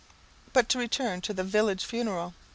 But to return to the village funeral.